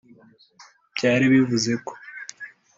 Byari bivuze ko